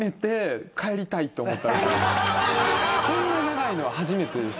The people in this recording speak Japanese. こんな長いのは初めてでしたね。